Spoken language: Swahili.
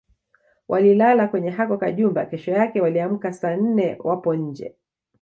Walilala kwenye hako kajumba kesho yake waliamka saa nne wapo nje